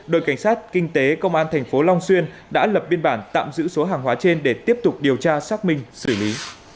đội cảnh sát kinh tế công an thành phố long xuyên đã lập biên bản tạm giữ số hàng hóa trên để tiếp tục điều tra xác minh xử lý